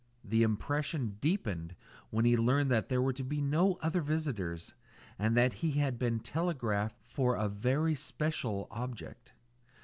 The impression deepened when he learned that there were to be no other visitors, and that he had been telegraphed for with a very special object.